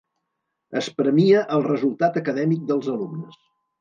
Es premia el resultat acadèmic dels alumnes.